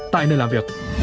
tại nơi làm việc